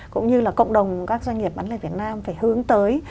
cũng như là cộng đồng các doanh nghiệp bán lẻ việt nam phải hướng tới